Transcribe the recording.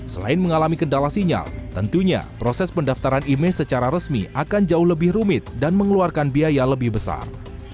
selain mengalami kendala sinyal tentunya proses pendaftaran imei secara resmi akan jauh lebih rumit dan mengeluarkan biaya lebih besar